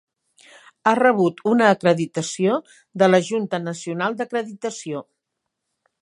Ha rebut una acreditació de la Junta nacional d"acreditació.